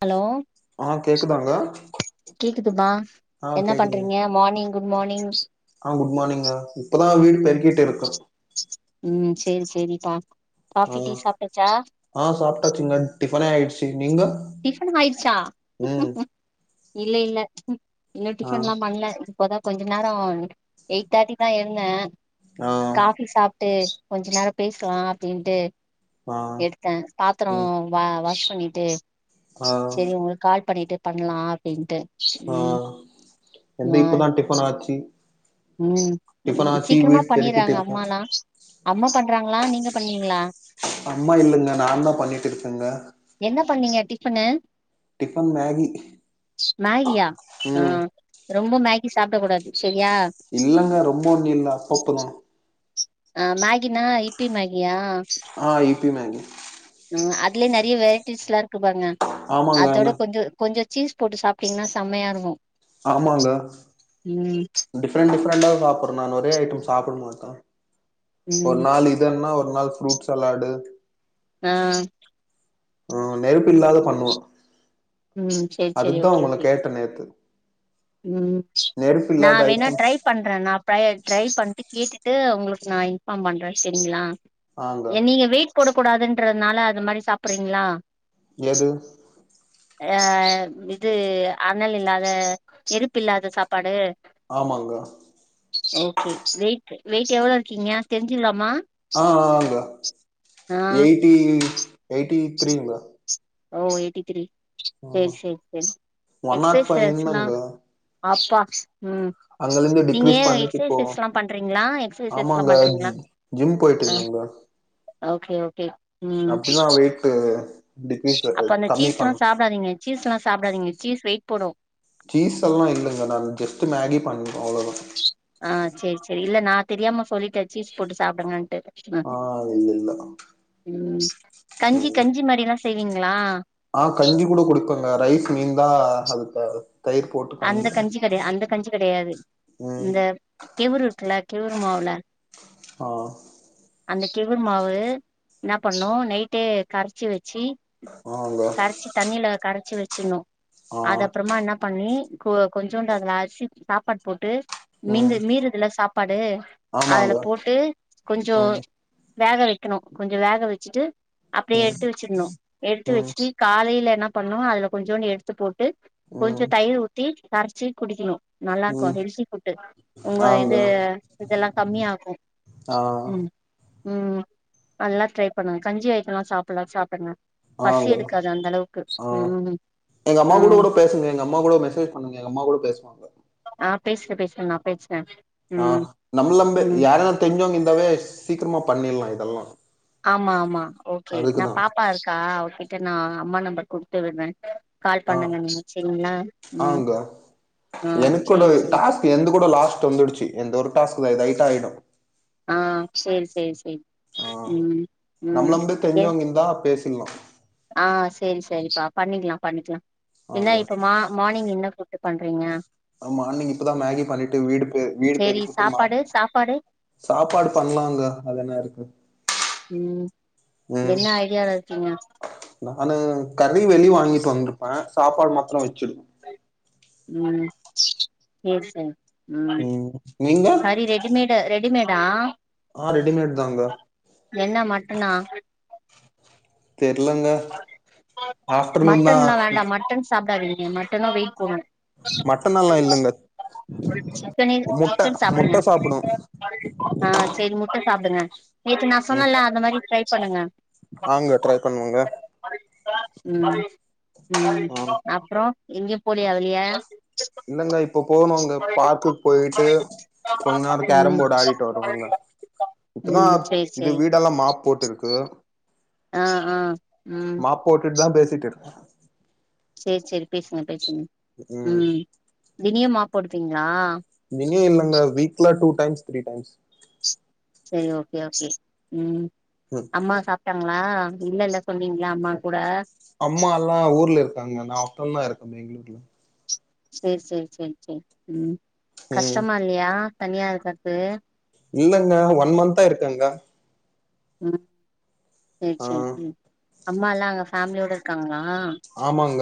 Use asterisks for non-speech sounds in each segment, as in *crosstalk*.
Hello ஆ கேக்குதாங்க கேக்குதுமா ஆ என்ன பண்றீங்க மார்னிங் குட் மார்னிங். ஆஹ் குட் மார்னிங்க இப்பதா வீடு பெருக்கிட்டு இருக்க உம் சரி சரிப்பா ஆஹ் ஆஹ் சாப்ட்டாச்சுங்க. டிஃபன் ஆயிடுச்சு. நீங்க டிஃபன் ஆயிடுச்சா ம் இல்ல இல்ல. இன்னு ஆ டிஃபன்ல்லா பண்ல இப்போதா கொஞ்ச நேரம் எயிட் தேர்டி தா எழுந்தே ஆ காஃபி சாப்ட்டு கொஞ்ச நேரம் பேசலா அப்படின்ட்டு ஆ எடுத்தே பாத்திரம் ம் வா வாச பண்ணிட்டு ஆ செரி உங்களுக்கு கால் பண்ணிட்டு பண்லா அப்படின்ட்டு ஆஹ் எப்டி இப்பதா டிஃபன் ஆச்சு உம் டிஃபன் ஆச்சு சீக்கிரமா வீடு பெருக்கிட்டு பண்ணிறாங்க இருக்கே அம்மாலா அம்மா சம றாங்களா நீங்க பண்ணீங்களா அம்மா இல்லைங்க நா தா பண்ணிட்டு இருக்கேங்க. பண்ண டிஃபன் மேகி மேகியா ஆ உம். ரொம்ப மேகி சாப்பிட கூடாது சரியா இல்லங்க ரொம்ப ஒண்ணு இல்ல அப்பப்பதான். ஆஹ் மேகினா இப்பி மேகியா ஆஹ் இப் ஹிப்பி மேகி. அதுலயே நிறைய வெரைட்டிஸ்லாம் இருக்குப்பாருங்க ஆமாங்க அதோட கொஞ்ச கொஞ்ச சீஸ் போட்டு சாப்பிட்டீங்கன்னா செம்மையா இருக்கு ஆமாங்க ம் டிஃபரெண்ட் டிஃபரெ டிஃபரண்டா சாப்பிடறேன் நான் ஒரே ஐட்டம் சாப்டமாட்டன். ஒரு ம் நாள் இதுன்னா ஒ ஒரு நாள் ஃப்ரூட் சலாடு ஆஹ் ஆ நெருப்பு இல்லாத பண்ணுவே ம் செரி செரி அதுதான் ஓகே உங்கள ஓகே கேட்ட நேத்து ம் நெருப்பு இல்லாத நான் வேணா ஐட்டம்ஸ் ட்ரை பண்றேன் நான் ட்ரை பண்ட்டு கேட்டு ட்டு உங்களுக்கு நான் இன்ஃபாம் பண்றேன் சரிங்களா ஆங்க ஏ நீங்க வெயிட் போடக் கூடாதுன்றதுனால அது மாரி சாப்பிறீங்களா எது ஆ இது அனல் இல்லாத எரிப்பு இல்லாத சாப்பாடு ஆமாங்க ஓகே வெயிட் வெயிட் எவ்ளோ இருக்கீங்க தெரிஞ்சுக்லாமா ஆ ஆஹ்ங்க எயிட்டி எயிட்டி த்ரீங்க ஓ எயிட்டி த்ரி செரி ம் செரி செரி ஒன் நாட் ஃபைவ் எக்ஸசைஸ்லா அப்பா ம் அங்கலருந்து நீங்க டிக்ரீஸ் பண்ணிட்டு போவே எக்ஸசைஸ்லா பண்றீங்களா எக்ஸசைஸ்லா ஆமாங்க பண்றீங்களா ஜிம் போயிட்டு ஆ இருந்தங்க ஓகே ஓகே ம் அப்படிதான் வையிட்டு அப்ப அந்த சீஸ்லா சாப்பிடாதீங்க சீஸ்லா சாப்பிடாதீங்க சீஸ் வெயிட் போடும் சீஸ் எல்லா இல்லங்க நான் ஜஸ்ட் மேகி பண்றோ அவ்ளதான் ஆ செரி செரி இல்ல நா தெரியாம சொல்லிட்ட சீஸ் போட்டு சாப்பிடுங்கன்ட்டு ஆ இல்ல இல்ல கஞ்சி ம் கஞ்சி மாரிலா செய்வீங்களா ஆ கஞ்சி ஹ அந்த கஞ்சி கிடையா அந்த கஞ்சி கிடையாது ம் இந்த கேவுரூட்ல கேவுறு மாவுல ஆ அந்த கேவுர் மாவு என்ன பண்ணு நைட்டே கரைச்சி வச் சி ஆங்க கரைச்சி தண்ணில கரைச்சு வச் ச்சிண்ணு ஆ அது அப்றமா என்ன பண்ணி கொ கொஞ்சோண்டு அதுல அரிசி சாப்பாடு போட்டு மீங்க ம் மீறுதுல்ல சாப்பாடு அதுல ஆமாங்க போட்டு கொஞ்சோ ம் வெக வைக்கணு கொஞ்சோ வெக வச்சுட்டு அப்டியே ம் எடுத்து வச்சிட்னு எடுத்து ம் வச்சுட்டு காலைல என்ன பண்ணோ அதுல கொஞ்சோன்டு எடுத்து போட்டு கொஞ்ச ம் தயிர் ஊத் கரச்சி குடிக்கணு நல்லா இருக்கு ம் ஹெல்தி புட்டு உங்க ஆங்க இது இதெல்லா கம்மியாகு ஆ ம் ம் நல்லா ட்ரை பண்ணுங்க கஞ்சி அய்டோல்லா சாப்புட்லா சாப்டுங்க பசி ஆங்க எடுக்காது அந்த அளவுக்கு ஆ ம் எங்க அம்மா கூட ம் ட பேசுங்க எங்க அம்மா கூட மெசேஜ் பண்ணுங்க எங்க அம்மா கூட பேசுவாங்க ஆ பேசட்டு பேசட்டு நா பேசுற ஆ நம்லம்ப யார்னா தெரிஞ்சோங்க இருந்தாவே சீக்ரமா பண்ணிற்லா இதெல்லா ஆமா ஆமா ஓகே நா அதுக்குதா பாப்பா இருக்கா ஓகே டே நா அம்மா நம்பர் குடுத்து விட்ற ஆ ஆங்கா ஆ எனக்கூட சேரி சேரி டாஸ்க் என்து கூட லாஸ்ட் வந்துடுச்சு இந்த ஒரு டாஸ்க் தா ஐ ஆய்டு ஆ சேரி சேரி சேரி ஆ உம் ம் ஏ திங்லா ஆ சேரி சேரிப்பா பண்ணிக்லா பண்ணிக்லா ஆங்க என்ன இப்ப மா மானிங் என்ன கூட்டு பண்றீங்க அ மானிங் இப்பதா மேகி பண்ணிட்டு வீடு பெ வீடு சேரி பெருக்கி உட்டு சாப்பாடு சாப்பாடு *inaudible* சாப்பாடு பண்லாங்கா அது என்ன இருக்கு ம் ம் என்ன ஐடியால இருக்கீங்க நானு கறி வெளி வாங்கிட்டு வந்துருப்பே சாப்பாடு மத்ரோ வெச்சிடுவ ம் சேர் சேர் ம் கறி ரெடிமேடு ரெ டிமேடா ஆ ரெடிமேடு தாங்கா என்ன மட்டனா தெர்லங்க ஆஃப்டர்நூன் தா இ மட்டனோ வெய்ட் போக மட்டன் எல்லா இல்லங்க சிக்கனு முட்ட சிக்கன் சாப்டுங்க முட்ட சாப்புடுவோ ஆ செரி முட்ட சாப்டுங்க நேத்து நா சொன்ன இல்ல அந்த மாரி ட்ரைப் பண்ணுங்க ஆங்கா ட்ரை பண்ணுவோங்க உம் உம் ஆ அப்புறோ எங்க போலியா வெளிய இல்லங்க இப்ப போணு அங்க பார்க்குக் போயிட்டு கொஞ்ச நேரோ கேரம் ம் போடு ஆடிட்டு வருவங்கா இப்பதா ம் சேரி இது சேரி வீடெல்லாம் மாப் போட்டு இருக்கு அ அ மாப் போட்டுட் தா பேஸ் ட்டு *inaudible* சேர் செரி பேசுங்க பேசுங்க ம் ஹூ தினியு மாப் போடுப்பீங்ளா இனியு இல்லங்க வீக்ல டூ டைம்ஸ் த்ரீ டைம்ஸ் செரி ஓகே ஓகே உம் ம் அம்மா சாப்டாங் ஆஹ் இல்ல இல்ல சொன்னீங்ளா அம்மா கூட அம்மா அல்லா ஊர்ல இருக்காங்க நா ஒருத்தந்தா இரு க பெங்ளூர்ல சேர் சேர் சேர் சேர் உம் ம் கஷ்டமா இல்லியா தனியா இருக்கர்து இல்லங்க ஒன் மந்த் ஆ இருக்கங்கா *inaudible* சேர் ஆ சேர் உம் அம்மாலா அங்க ஃபேம்லியோட இருக்காங்கனா ஆமாங்க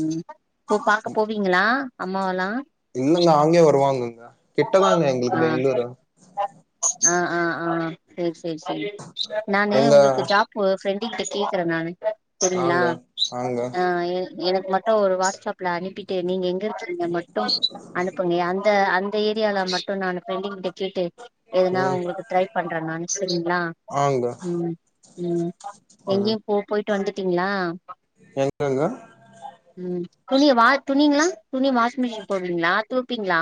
ம் இப்போ பாக்க போவீங்களா அம்மாவலா இல்லங்க ஆங்கயே வருவாங்கங்க கிட்டதாங்க ஆ எங்குளுக்கு பெங்களூரு ஆ ஆ ஆ சேரி செரி செரி நானு எங்க உங்குளுக்கு ஜாப்பு சென்ட் டீட்டெயில் கேக்குற நானு சரிங்களா ஆங்க ஆங்க ஆ எனக்கு மட்டோ ஒரு வாட்ஸ்அப்ல அனுப்பிட்டு நீங்க எங்க இந்த மட்டோ அனுப்புங்க அந்த அந் இந்த ஏரியால மட்டும் நானு ஃப்ரெண்டங்கிட்ட கேட்டு எதுனா ம் உங்களுக்கு ட்ரை பண்ற நானு சரிங்களா ஆங்க ம் ம் ம் எங்கயும் போ போய் வந்துட்டீங்களா எங்கங்க துணி வா துணிங்களா துணி வாஷிங் மிஷின் போடுவீங்களா தொவ்பீங்களா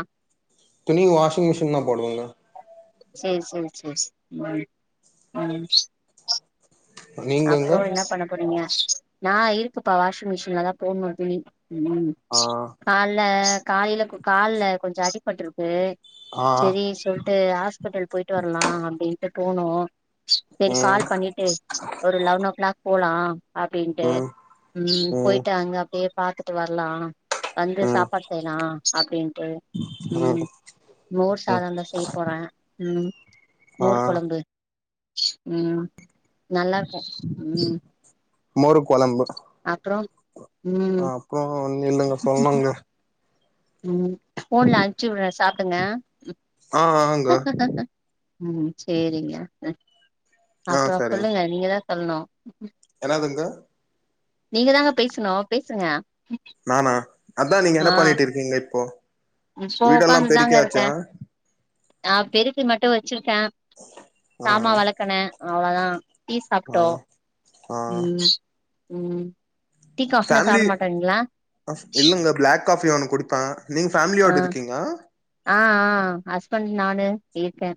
துணி வாஷிங் மிஷின்தா போடுவேங்க சரி சரி சரி ம் ம் நீங்கங்க அப்புறோ என்ன பண்ண போறீங்க நான் இருக்குப்பா வாஷிங் மிஷின்லதா போடணோ துணி ம் ஆ கால்ல காலையில கால்ல கொஞ்சோ அடிபட்ருக்கு ஆ செரி சொல் வந்த்ட்டு ஆ ஸ்பிட்டல் போயிட்டு வர்லா அப்படின்ட்டு போனோ செரி ம் கால் பண்ணிட்டு ஒரு லெவனோ க்ளாக் போலா அப்டீன்ட்டு ம் ம் போயிட்டு அங்க அப்டியே பாத்துட்டு வர்லா வந்து ம் சாப்பாடு செய்லா அப்டினு ம் உம் மோர் ம் சாதம்தா செய் போற ம் ஆ மோர் கொழம்பு ம் நல்லாருக்கு ம் மோரு கொழம்பு ட்ரம் ஆ அப்றோ ஒன்னு இல்லைங்க சொல்லுங்க ம் போன்ல அம்ச்சு விடுறே சாப்டுங்க ஆ ஆங்க ம் சேரிங்க ஆ அப்றோ சரிங்க சொல்லுங்க நீங்கதா சொல்னு என்னதுங்க நீங்க தாங்க பேசணு பேசுங்க நானா அதா நீங்க ஆ என்ன பண்ணிட்டு இருக்கீங்ளே இப்போ இப்போ வீடெல்லா உக்காந்துதாங்க இருக்கே பெருக்கியாச்சா ஆ பெருக்கி மட்டு வச் சிருக்கே ஆ சாமா வெளக்குனே அவ்ளோ தா டீ ஆ சாப்ட்டோ ஆ ம் ம் டீ காஃபிலா ஃபேமிலி சாப்ட மாட்டீங்ளா இல்லங்க ப்ளாக் காஃபி ஒன்னு குடிப்பே நீங்க ஆ ஃபேமிலியோடு இருக்கீங்ளா ஆ ஆ ஹஸ்பண்ட் நானு இருக்கே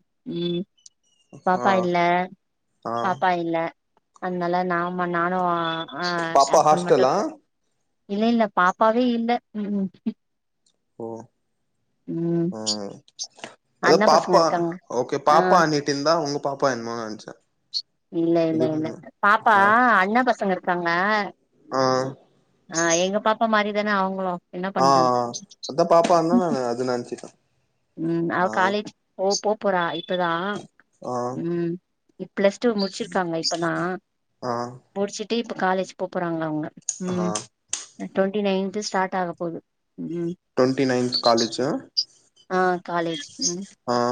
ம் ஆ பாப்பா இல்ல ஆ பாப்பா இல்ல அதனால நா ம நானு ஆ பாப்பா ஹஸ்பண்ட் மட்டு ஹாஸ்டலா இருக்கோ இல்ல இல்ல பாப்பாவே இல்ல ம் ஓ ம் அத அண்ணா பசங்க பாப்பா இருக்காங்க ஓகே ஆ பாப்பா அண்ணிட்டு இருந்தா உங்க பாப்பா என்னமோ நெனச்சே இல்ல இல்ல இல்ல இதுக்கு பாப்பா ஆ அண்ணே பசங்க இருக் காங்க ஆ ஆ எங்க பாப்பா மாரிதானே அவுங்களு ஆ ஆ அதா பாப்பான்னா நானு அது நெனச்சிட்டே உம் அவ ஆ காலேஜ் போ போ போறா இப் இப்பதா ஆ உம் பிளஸ் டூ முடிச்சிருக்காங்க இப்பதான் ஆ முடிச்ச டீப்ப காலேஜ் போ போறாங்க அவங்க ஆ ம் டொண்ட்டி நைன் ஸ்டார்ட் ஆக போகுது ட்வெண்ட்டி நைன்த் காலேஜ் ஆஹ் காலேஜ் ம்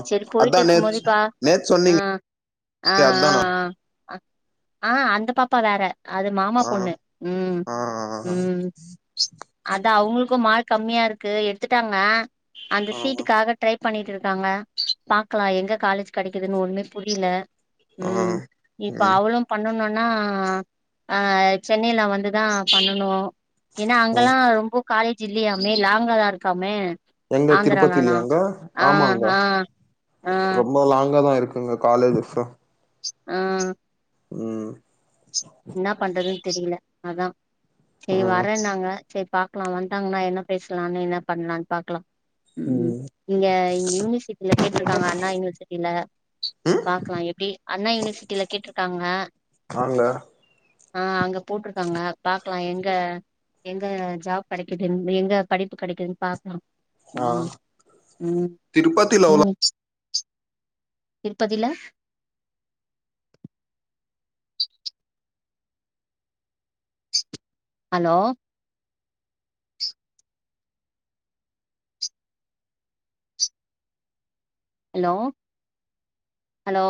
சரி போயிட்டு அதா இருக்கும் நேத் மோதிப்பா நேத்து சொன்னீங்க ஆஹ் ஆஹ் அதானா ஆஹ் ஹ ஆஹ் அந்த பாப்பா வேற அது மாமா ஆ பொண்ணு உம் ஆ ஆ உம் அத அவங்களுக்கு இப்போ மார்க் கம்மியா இருக்கு எடுத்துட்டாங்க அந்த ஆமா சீட்டுக்காக ட்ரைப் பண்ணிட்டு இருக்காங்க பாக்கலாம் எங்க காலேஜ் கிடைக்குதுன்னு ஒண்ணமே புரியல ஆ உம் இப்ப ம் அவளும் பண்ணனும் ஆனா ஆஹ் சென்னையில வந்துதா பண்ணனும் ஏன்னா ம் அங்கல்லாம் ரொம்ப காலேஜ் இல்லையாமே லாங்காதா இருக்காமே எங்க ஆந்திராலலா திருப்பதிலையாங்க ஆ ஆமாங்க ஆ ஆ ரொம்ப லாங்கா தா இருக்கு ங்க காலேஜ்ஸ் ஆஹ் உம் என்ன பண்றதுன்னு தெரியல அதா சரி ம் வரேன்னாங்க சரி பாக்கலாம் வந்துந்டாங்கன்னா என்ன பேசலான்னு என்ன பண்ணலான்னு பாக்கலாம் உம் ம் இங்க இங்க யூனிவர்சிட்டில கேட்டிருக்காங்க அண்ணா யூனிவர்சிட்டில ம் பாக்கலாம் எப்படி அண்ணா யூனிவர்சிட்டில கேட்டிருக்காங்க ஆங்க ஆஹ் அங்க போட்ருக்காங்க பாக்கலாம் என் எங்க எங்க ஜாப் கிடைக்குதுன்னு எங்க படிப்பு கிடைக்குதுன்னு பாக்கலாம் ஆ உம் உம் திருப்பதில உம் திருப்பதில ஹலோ ஹலோ ஹலோ